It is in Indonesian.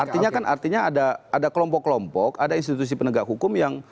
artinya kan artinya ada kelompok kelompok ada institusi penegak hukum yang